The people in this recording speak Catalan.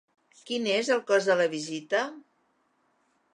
Quin es el cost de la visita?